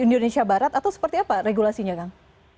indonesia barat atau seperti apa regulasinya kang